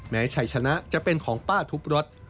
ชัยชนะจะเป็นของป้าทุบรถ